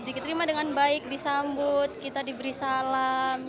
diterima dengan baik disambut kita diberi salam